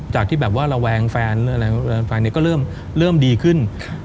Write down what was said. จากที่แบบว่าระแวงแฟนก็เริ่มดีขึ้น